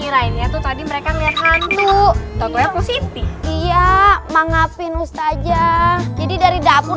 lainnya tuh tadi mereka lihat hantu tentunya positif iya mangapin ustaz aja jadi dari dapur